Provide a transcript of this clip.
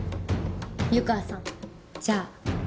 湯川さんじゃあ。